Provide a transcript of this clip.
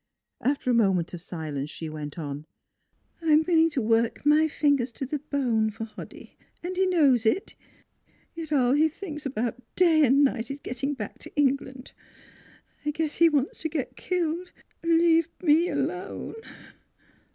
After a moment of silence she went on :" I'm willing to work my fingers to the bone for Hoddy, and he knows it. Yet all he thinks about day and night is getting back to England. I guess he wants to get killed and leave me alone."